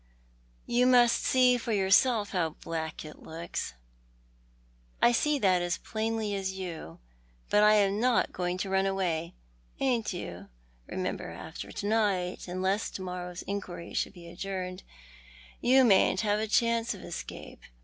You must see for your self how black it looks." "I see that as plainly as you, but I am not going to run away." "Ain't you? Remember after to night, unless to morrow's inquiry should be adjourned, you mayn't have a chance of escape.